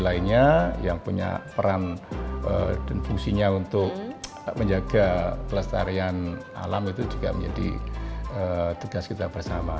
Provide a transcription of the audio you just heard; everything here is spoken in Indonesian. lainnya yang punya peran dan fungsinya untuk menjaga kelestarian alam itu juga menjadi tugas kita bersama